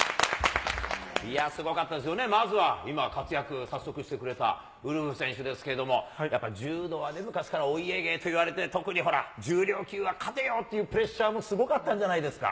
すごかったですよね、まずは今、活躍早速してくれたウルフ選手ですけれども、やっぱり柔道は昔からお家芸といわれて、特にほら、重量級は勝てよというプレッシャーもすごかったんじゃないですか。